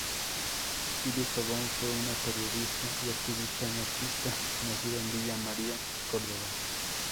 Iris Pavón fue una periodista y activista anarquista, nacida en Villa María, Córdoba.